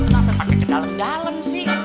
kenapa pake cedalem dalem sih